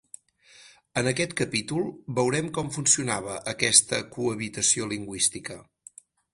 En aquest capítol, veurem com funcionava aquesta cohabitació lingüística.